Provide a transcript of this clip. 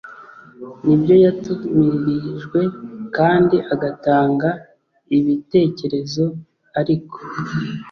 n ibyo yatumirijwe kandi agatanga ibitekerezo ariko